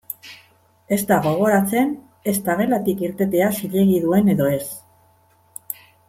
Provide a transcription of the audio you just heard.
Ez da gogoratzen ezta gelatik irtetea zilegi duen edo ez.